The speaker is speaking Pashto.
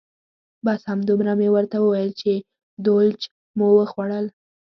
بس همدومره مې ورته وویل چې دولچ مو وخوړل.